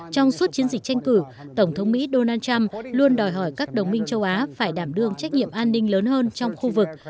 trong suốt chiến dịch tranh cử tổng thống mỹ donald trump luôn đòi hỏi các đồng minh châu á phải đảm đương trách nhiệm an ninh lớn hơn trong khu vực